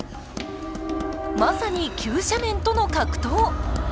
まさに急斜面との格闘。